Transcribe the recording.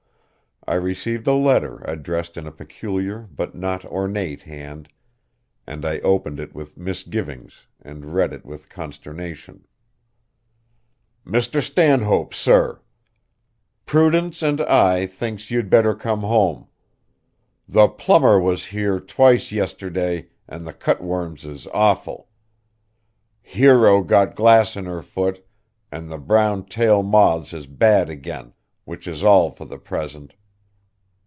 I received a letter addressed in a peculiar but not ornate hand, and I opened it with misgivings and read it with consternation. MR. STANHOPE SIR: Prudence and I thinks youd better come home. The plummer was hear twice yisterday and the cutworms is awfle. Hero got glass in her foot and the brown tale moths is bad again wich is al for the presnt.